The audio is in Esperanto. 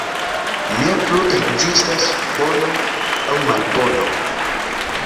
Ne plu ekzistas bono aŭ malbono.